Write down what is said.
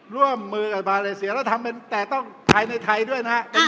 ร่วมมือกับมาเลเซียแต่ต้องใช้ในไทยด้วยนะครับ